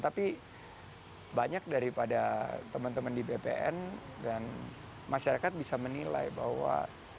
tapi banyak daripada teman teman di bpn dan masyarakat bisa menilai bahwa